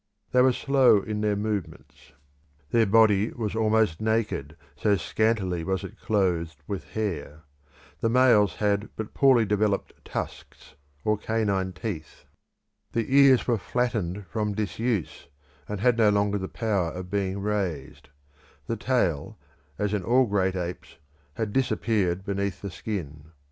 They were slow in their movements; their body was almost naked, so scantily was it clothed with hair; the males had but poorly developed tusks, or canine teeth; the ears were flattened from disuse, and had no longer the power of being raised; the tail as in all great apes had disappeared beneath the skin.